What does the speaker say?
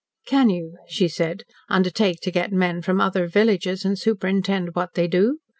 "Can you," she said, "undertake to get men from other villages, and superintend what they do?